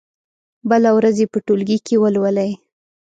بله ورځ يې په ټولګي کې ولولئ.